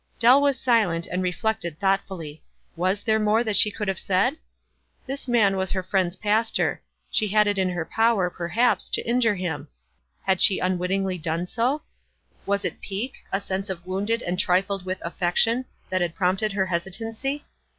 Dell was silent, and reflected thoughtfully. Was there more that she could have said? "WISE AND OTHERWISE. 63 This man was her friend's pastor. She bad it in her power, perhaps, to injure him. Had she unwittingly done so? Was it pique, a sense of wounded and tritled with affection, that had prompted her hesitancy?